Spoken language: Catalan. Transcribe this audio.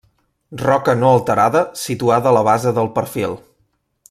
Roca no alterada situada a la base del perfil.